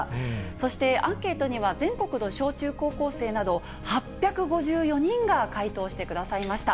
そしてアンケートには全国の小中高校生など８５４人が回答してくださいました。